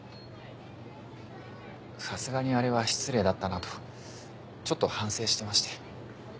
さすがにあれは失礼だったなとちょっと反省してまして。